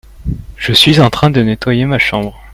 Je suis en train de nettoyer ma chambre.